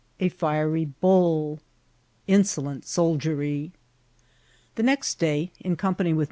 — A fiaiy BulL— ItMolont SoUieiy. Thb next day, in c<Hnpany with Mi.